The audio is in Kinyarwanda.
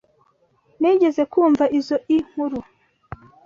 Nigeze kumva izoi nkuru.